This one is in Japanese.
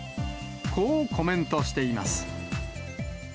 こうコメントしています。